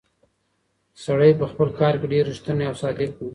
سړی په خپل کار کې ډېر ریښتونی او صادق و.